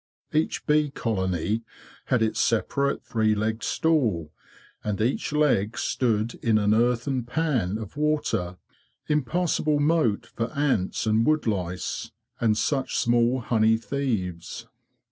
Each bee colony had its separate three legged stool, and each leg stood in an earthen pan of water, impassable moat for ants and '' wood li's,"' and such small honey thieves.